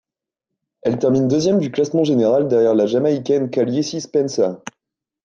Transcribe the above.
Elle termine deuxième du classement général derrière la Jamaïcaine Kaliese Spencer.